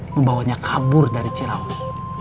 membawanya kabur dari ciraus